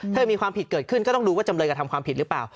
ถ้ามีความผิดเกิดขึ้นก็ต้องดูว่าจำเลยกระทำความผิดหรือเปล่า